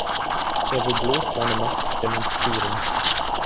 Er will bloß seine Macht demonstrieren.